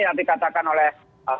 yang dikatakan oleh